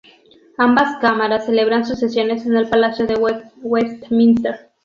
Ambas Cámaras celebran sus sesiones en el Palacio de Westminster.